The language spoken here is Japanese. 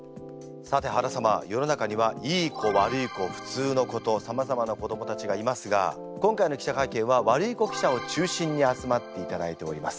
さて原様世の中にはいい子悪い子普通の子とさまざまな子どもたちがいますが今回の記者会見はワルイコ記者を中心に集まっていただいております。